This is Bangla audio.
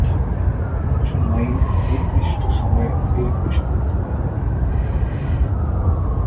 কিছু মাইন নির্দিষ্ট সময়ের আগেই বিস্ফোরিত হয়।